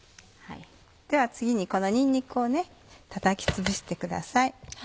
では次にこのにんにくを叩きつぶしてください。